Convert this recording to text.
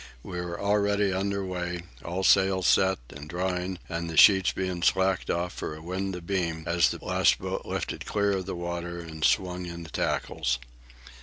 We were already under way, all sails set and drawing, and the sheets being slacked off for a wind abeam, as the last boat lifted clear of the water and swung in the tackles.